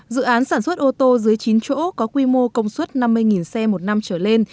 dự án sản xuất ô tô dưới chín chỗ có quy mô công suất năm mươi xe một năm trở lên